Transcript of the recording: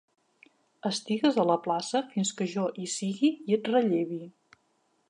Estigues a la plaça fins que jo hi sigui i et rellevi.